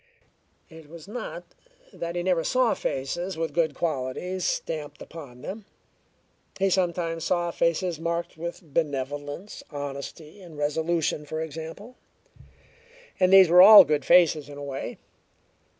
It was not that he never saw faces with good qualities stamped upon them: he sometimes saw faces marked with benevolence, honesty and resolution, for example, and these were all good faces in a way.